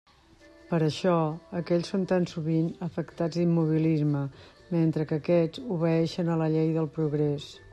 Per això aquells són tan sovint afectats d'immobilisme, mentre que aquests obeeixen a la llei del progrés.